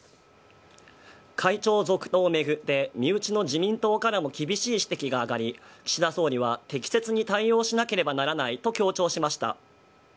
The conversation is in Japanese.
会長続投を巡って、身内の自民党からも厳しい指摘が上がり、岸田総理は適切に対応しなければならないと強調しました。